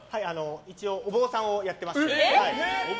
一応、お坊さんをやっています。